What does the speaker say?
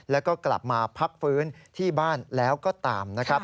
แล้วก็กลับมาพักฟื้นที่บ้านแล้วก็ตามนะครับ